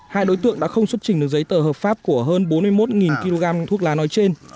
hai đối tượng đã không xuất trình được giấy tờ hợp pháp của hơn bốn mươi một kg thuốc lá nói trên